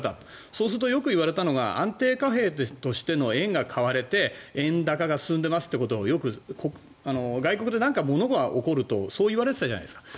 そうすると、よく言われたのは安定貨幣としての円が買われて円高が進んでますってことをよく外国で何かものが起こるとそういわれていたじゃないですか。